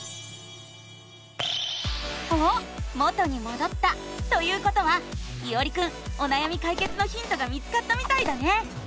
おっ元にもどったということはいおりくんおなやみかいけつのヒントが見つかったみたいだね！